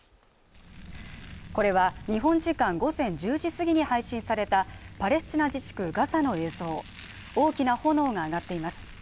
これは日本時間午前１０時過ぎに配信されたパレスチナ自治区ガザの映像大きな炎が上がっています